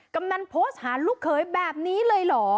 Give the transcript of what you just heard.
กำนันโพสต์หาลูกเขยแบบนี้เลยเหรอ